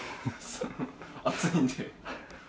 暑いんで。